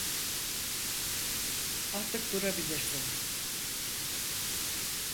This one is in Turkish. Artık durabilirsin.